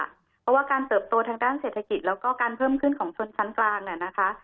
เพราะว่าการเติบโตทางด้านเศรษฐกิจแล้วก็การเพิ่มขึ้นของชนชั้นกลางเนี่ยนะคะ